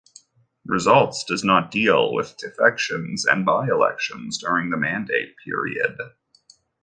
Results does not deal with defections and by-elections during the mandate period.